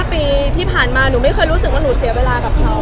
ปีที่ผ่านมาหนูไม่เคยรู้สึกว่าหนูเสียเวลากับเขา